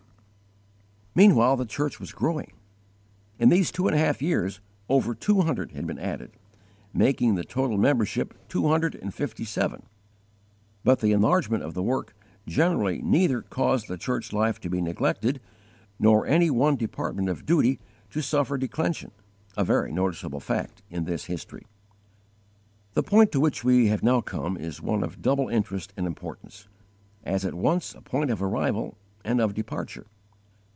Meanwhile the church was growing. In these two and a half years over two hundred had been added, making the total membership two hundred and fifty seven; but the enlargement of the work generally neither caused the church life to be neglected nor any one department of duty to suffer declension a very noticeable fact in this history. The point to which we have now come is one of double interest and importance, as at once a point of arrival and of departure.